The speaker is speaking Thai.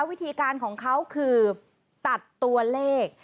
วิธีการของเขาคือตัดตัวเลข